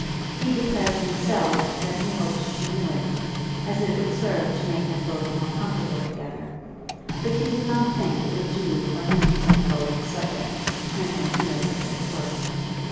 He declared to himself that he hoped she knew it, as it would serve to make them both more comfortable together; but he did not think that it would do for him to bring forward the subject, neck and heels as it were.